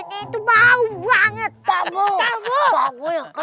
kamu kamu yang ketut